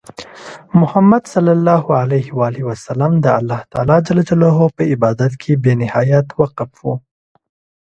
محمد صلى الله عليه وسلم د الله په عبادت کې بې نهایت وقف وو.